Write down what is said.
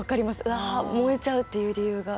あ燃えちゃうっていう理由が。